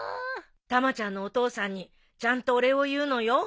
たまちゃんのお父さんにちゃんとお礼を言うのよ。